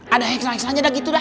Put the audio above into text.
ada heksa heksanya dah gitu dah